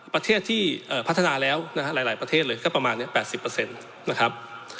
ประเทศที่พัฒนาแล้วนะฮะหลายประเทศเลยก็ประมาณ๘๐นะครับ